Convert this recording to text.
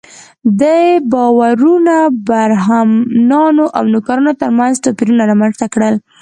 دې باورونو برهمنانو او نوکرانو تر منځ توپیرونه رامنځته کړل.